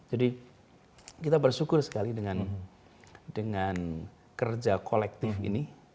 jadi kita bersyukur sekali dengan kerja kolektif ini